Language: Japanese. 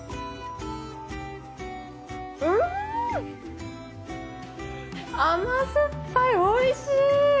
うん甘酸っぱいおいしい。